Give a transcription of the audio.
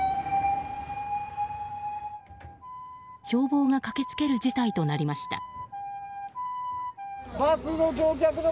消防が駆け付ける事態となりました。